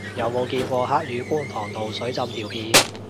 有冇見過黑雨觀塘道水浸條片